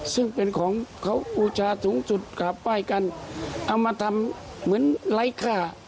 ซึ่งเป็นของเขาบูชาสูงสุดกราบป้ายกันเอามาทำเหมือนไร้ค่า